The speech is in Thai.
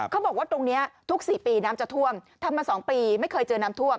เขาบอกว่าตรงนี้ทุก๔ปีน้ำจะท่วมทำมา๒ปีไม่เคยเจอน้ำท่วม